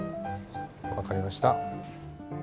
分かりました。